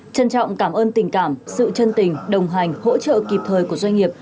trân trọng cảm ơn tình cảm sự chân tình đồng hành hỗ trợ kịp thời của doanh nghiệp